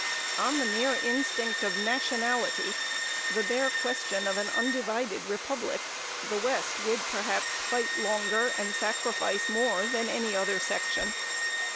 On the mere instinct of nationality the bare question of an undivided republic the West would perhaps fight longer, and sacrifice more, than any other section.